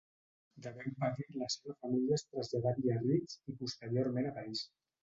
De ben petit la seva família es traslladà a Biarritz i posteriorment a París.